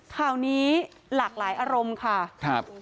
ข่าวนี้หลากหลายอารมณ์ค่ะครับ